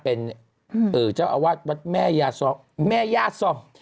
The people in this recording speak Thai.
เป็นเจ้าอาวาสวัดแม่ย่าซ่อม